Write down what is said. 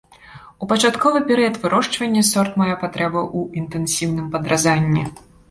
У пачатковы перыяд вырошчвання сорт мае патрэбу ў інтэнсіўным падразанні.